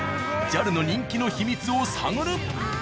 ＪＡＬの人気の秘密を探る。